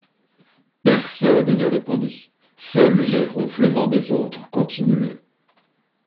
Personne ne répondit, seuls les ronflements des autres continuaient.